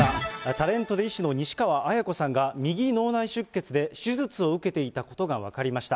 タレントで医師の西川史子さんが右脳内出血で手術を受けていたことが分かりました。